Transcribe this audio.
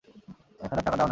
এক হাজার টাকা দেও না।